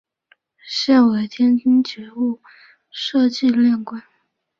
现为天津觉悟社纪念馆。